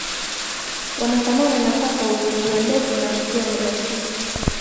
Wanafanana na paka wenye pua ndefu na mkia mrefu.